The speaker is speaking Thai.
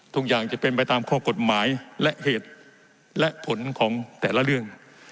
ทุกอย่างจะเป็นไปตามข้อกฎหมายและเหตุและผลของแต่ละเรื่อง